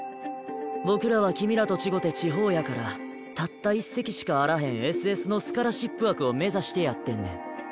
僕らは君らと違て地方やからたった１席しかあらへんＳＳのスカラシップ枠を目指してやってんねん。